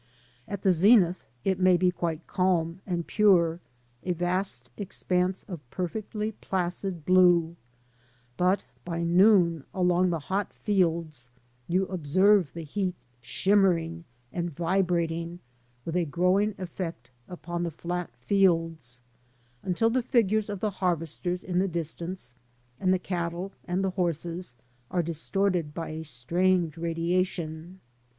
At the zenith it may be quite calm and pure, a vast expanse of perfectly placid blue, but by noon along the hot fields you observe the heat shimmering and vibrating with a growing effect upon the flat fields, until the figures of the harvesters in the distance, and the cattle and the horses, are distorted by the strange radiation.